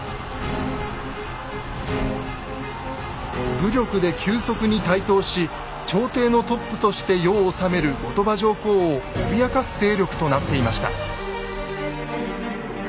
武力で急速に台頭し朝廷のトップとして世を治める後鳥羽上皇を脅かす勢力となっていました。